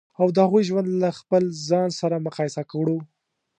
او د هغوی ژوند له خپل ځان سره مقایسه کړو.